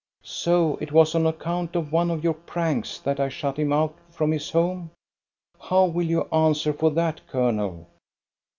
"" So it was on account of one of your pranks that I shut him out from his home? How will you answer for that, colonel.?"